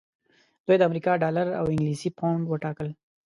دوی د امریکا ډالر او انګلیسي پونډ وټاکل.